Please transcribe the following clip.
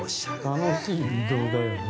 ◆楽しい移動だよね。